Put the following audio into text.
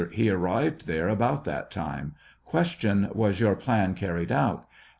He 'arrived there about that time. Q. Was your plan carried out? A.